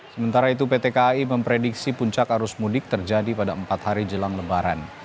sementara itu pt kai memprediksi puncak arus mudik terjadi pada empat hari jelang lebaran